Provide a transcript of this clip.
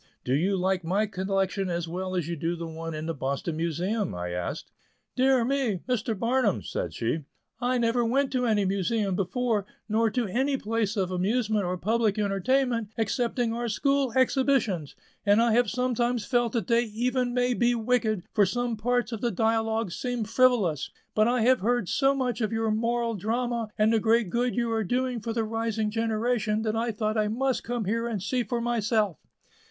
"Do you like my collection as well as you do the one in the Boston Museum?" I asked. "Dear me! Mr. Barnum," said she, "I never went to any Museum before, nor to any place of amusement or public entertainment, excepting our school exhibitions; and I have sometimes felt that they even may be wicked, for some parts of the dialogues seemed frivolous; but I have heard so much of your 'moral drama' and the great good you are doing for the rising generation that I thought I must come here and see for myself."